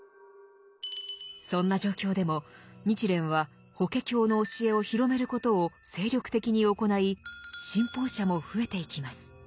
そんな状況でも日蓮は「法華経」の教えを広めることを精力的に行い信奉者も増えていきます。